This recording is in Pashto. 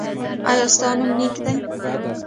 ایا ستاسو نوم نیک نه دی؟